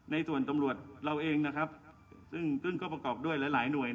ในส่วนตำรวจเราเองซึ่งก็ประกอบด้วยหลายหน่วย